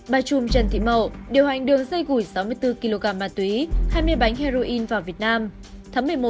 bà chùm trần thị mậu điều hành đường dây gửi sáu mươi bốn kg ma túy hai mươi bánh heroin vào việt nam